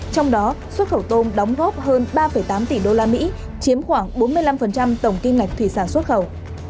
trong đó xuất khẩu tôm đóng góp hơn ba tám tỷ usd chiếm khoảng bốn mươi năm tổng kim ngạch thủy sản xuất khẩu